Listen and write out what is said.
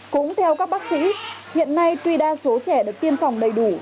cũng theo các bác sĩ hiện nay tuy đa số trẻ được tiêm phòng đầy đủ